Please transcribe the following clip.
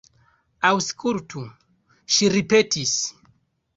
Aŭskultu, ŝi ripetis.